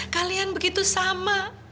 kalian begitu sama